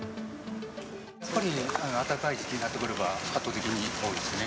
やっぱり暖かい時期になってくれば圧倒的に多いですね。